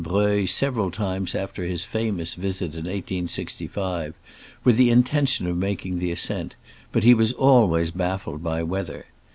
Breuil several times after his famous visit in 1865, with the intention of making the ascent, but he was always baffled by weather.